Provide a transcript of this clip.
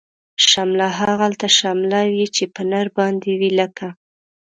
شمله هغلته شمله وی، چی په نر باندی وی لکه